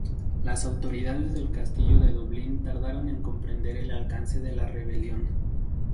Las autoridades del Castillo de Dublín tardaron en comprender el alcance de la rebelión.